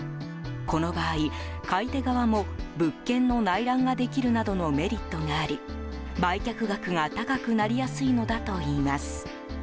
この場合、買い手側も物件の内覧ができるなどのメリットがあり、売却額が高くなりやすいのだといいます。